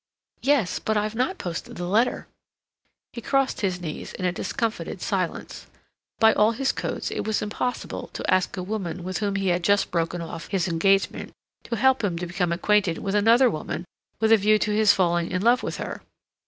"Yes; but I've not posted the letter." He crossed his knees in a discomfited silence. By all his codes it was impossible to ask a woman with whom he had just broken off his engagement to help him to become acquainted with another woman with a view to his falling in love with her.